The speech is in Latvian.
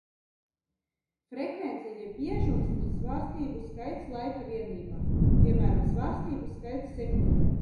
Frekvence jeb biežums ir svārstību skaits laika vienībā, piemēram, svārstību skaits sekundē.